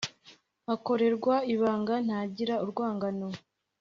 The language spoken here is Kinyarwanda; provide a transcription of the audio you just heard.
akarorerwa. ibanga ntagira urwangano